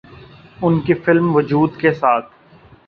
ان کی فلم ’وجود‘ کے ساتھ